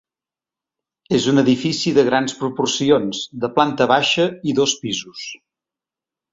És un edifici de grans proporcions, de planta baixa i dos pisos.